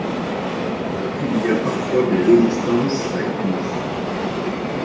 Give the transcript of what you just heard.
Il y a parfois des résistances acquises.